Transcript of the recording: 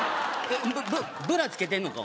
ブブブラつけてんのか？